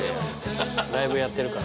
ライブやってるから。